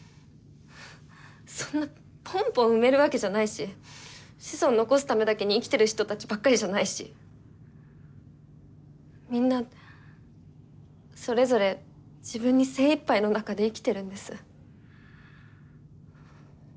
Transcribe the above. そんなポンポン産めるわけじゃないし子孫残すためだけに生きてる人たちばっかりじゃないしみんなそれぞれ自分に精いっぱいの中で生きてるんです。